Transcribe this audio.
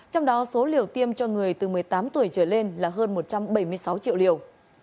trong đó số liều tiêm cho người từ một mươi tám tuổi trở lên là hơn một trăm bảy mươi sáu triệu liều